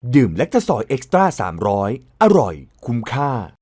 ดื่มแลกทะสอยเอ็กซ์ตร้า๓๐๐อร่อยคุ้มค่า